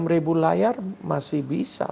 enam ribu layar masih bisa